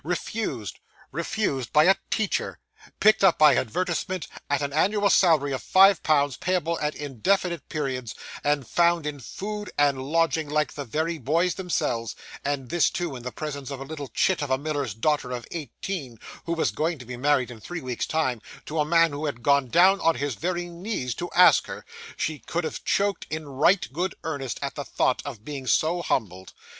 Refused! refused by a teacher, picked up by advertisement, at an annual salary of five pounds payable at indefinite periods, and 'found' in food and lodging like the very boys themselves; and this too in the presence of a little chit of a miller's daughter of eighteen, who was going to be married, in three weeks' time, to a man who had gone down on his very knees to ask her. She could have choked in right good earnest, at the thought of being so humbled.